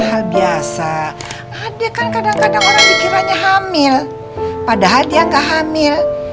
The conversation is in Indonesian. hal biasa adekan kadang kadang orang pikirannya hamil pada hati angka hamil